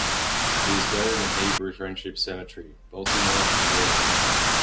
He is buried in Hebrew Friendship Cemetery, Baltimore, Maryland.